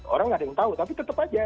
orang nggak ada yang tahu tapi tetap aja